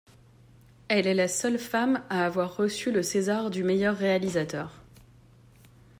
Elle est la seule femme à avoir reçu le César du meilleur réalisateur.